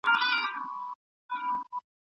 خلګ خپل مذهبي مراسم په آزادي ترسره کوي.